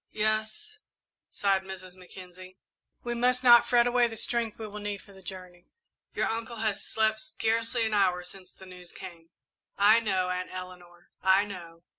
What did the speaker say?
"Yes," sighed Mrs. Mackenzie, "we must not fret away the strength we will need for the journey. Your uncle has slept scarcely an hour since the news came." "I know, Aunt Eleanor, I know."